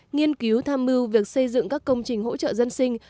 nghiên cứu tham mưu việc xây dựng các công trình hỗ trợ dân sinh